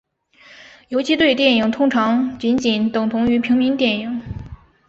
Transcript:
游击队电影通常仅仅等同于平民主义电影。